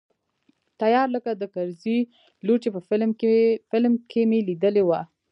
تيار لکه د کرزي لور چې په فلم کښې مې ليدلې وه.